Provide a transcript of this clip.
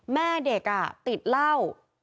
แม่เด็กติดเหล้า